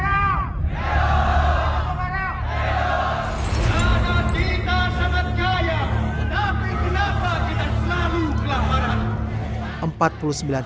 tapi kenapa kita selalu kelahmaran